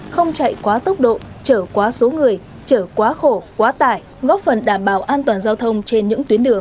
không chạy quá tốc độ trở quá số người chở quá khổ quá tải góp phần đảm bảo an toàn giao thông trên những tuyến đường